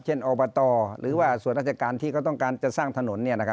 อบตหรือว่าส่วนราชการที่เขาต้องการจะสร้างถนน